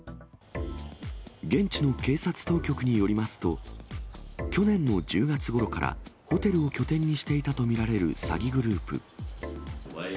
現地の警察当局によりますと、去年の１０月ごろから、ホテルを拠点にしていたと見られる詐欺グループ。